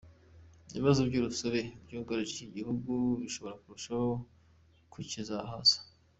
Ibibazo by’urusobe byugarije iki gihugu bishobora kurushaho kukizahaza.